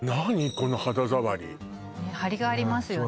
この肌触りハリがありますよね